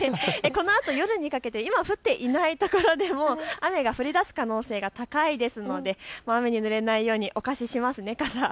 このあと夜にかけて今降っていない所でも雨が降りだす可能性が高いですので雨にぬれないようにお貸ししますね、傘。